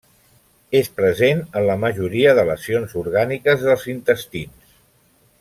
És present en la majoria de lesions orgàniques dels intestins.